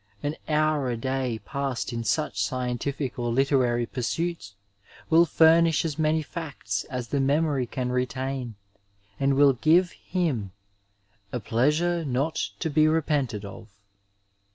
An hour a day paeeed in such scientific or literary pursuits will furnish as many facts as the memory can retain, and will give him " a pleasure not to be repented of *' (Timasus, 69 D).